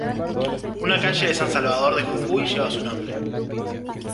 Una calle de San Salvador de Jujuy lleva su nombre.